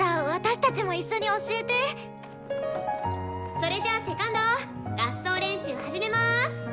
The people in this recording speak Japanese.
それじゃあセカンド合奏練習始めます。